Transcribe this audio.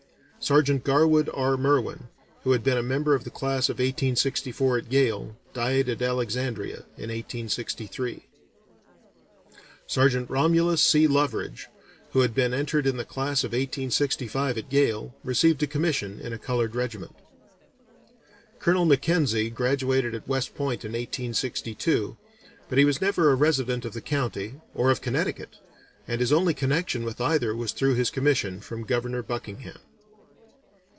Sergeant Garwood R. Merwin, who had been a member of the class of 1864 at Yale, died at Alexandria in 1863. Sergeant Romulus C. Loveridge, who had been entered in the class of 1865 at Yale, received a commission in a colored regiment. Colonel Mackenzie graduated at West Point in 1862, but he was never a resident of the county, or of Connecticut, and his only connection with either was through his commission from Governor Buckingham.